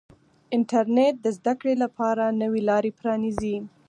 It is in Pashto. انټرنیټ د زده کړې لپاره نوې لارې پرانیزي.